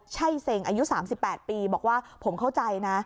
ใช่เซ็งอายุ๓๘ปีบอกว่าผมเข้าใจนะ